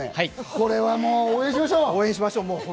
これは応援しましょう！